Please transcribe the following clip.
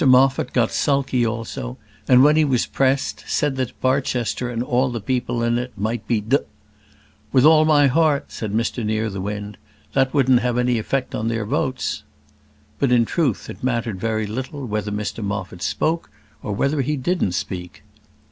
Mr Moffat got sulky also, and when he was pressed, said that Barchester and the people in it might be d . "With all my heart," said Mr Nearthewinde. "That wouldn't have any effect on their votes." But, in truth, it mattered very little whether Mr Moffat spoke, or whether he didn't speak.